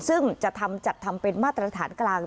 ซึ่งจะทำจัดทำเป็นมาตรฐานกลาง